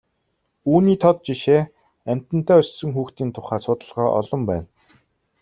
Үүний тод жишээ амьтантай өссөн хүүхдийн тухай судалгаа олон байна.